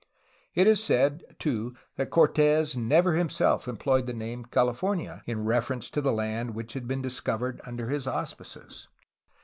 It is said, too, that Cortes never him self employed the name ''California" in reference to the land which had been discovered under his auspices.